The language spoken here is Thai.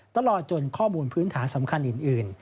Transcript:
ตลอดจนข้อมูลพื้นฐานสำคัญอื่น